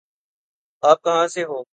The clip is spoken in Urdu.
آپ کہاں سے ہوں؟